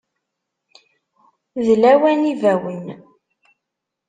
D lawan n yibawen.